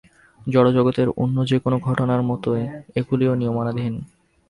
জড়জগতের অন্য যে-কোন ঘটনার মতই এগুলিও নিয়মাধীন।